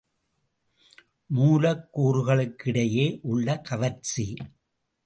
மூலக்கூறுகளுக்கிடையே உள்ள கவர்ச்சி.